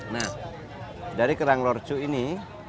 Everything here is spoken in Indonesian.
nah dari kerang lorcu ini